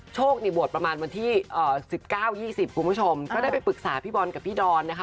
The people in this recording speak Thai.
บวชประมาณวันที่๑๙๒๐คุณผู้ชมก็ได้ไปปรึกษาพี่บอลกับพี่ดอนนะคะ